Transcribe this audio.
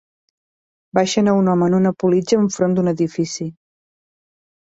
Baixen a un home en una politja enfront d'un edifici